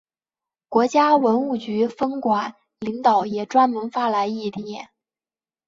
国家文物局分管领导也专门发来唁电。